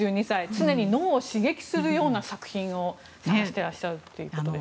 常に脳を刺激するような作品を探してらっしゃるということで。